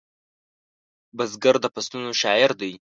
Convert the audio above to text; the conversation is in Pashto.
بزګر د فصلونو شاعر دی